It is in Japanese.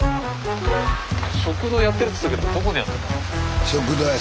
食堂やってるっつったけどどこでやってんの？